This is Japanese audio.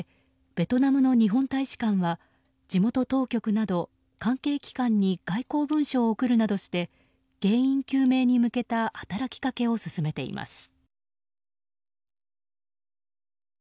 ベトナムの日本大使館は地元当局など関係機関に外交文書を送るなどして原因究明に向けた働きかけを進めています。